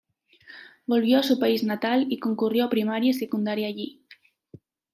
Volvió a su país natal y concurrió a primaria y secundaria allí.